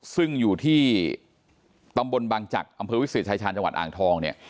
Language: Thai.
ซึ่งอยู่ที่ตำบลบังจักรอำเภอวิเศษชายชาญจังหวัดอ่างทองเนี่ย